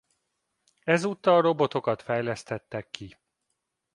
Ezúttal robotokat fejlesztettek ki.